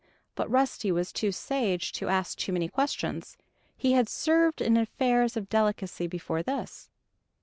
But Rusty was too sage to ask too many questions he had served in affairs of delicacy before this.